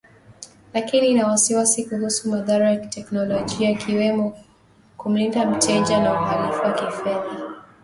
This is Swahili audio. lakini ina wasiwasi kuhusu madhara ya kiteknolojia ikiwemo kumlinda mteja na uhalifu wa kifedha